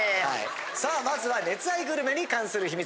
さあまずは熱愛グルメに関する秘密。